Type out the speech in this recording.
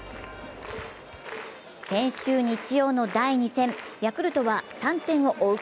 先週日曜の第２戦、ヤクルトは３点を追う